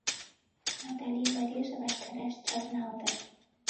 — Натали марийже ваштареш чарналтыш.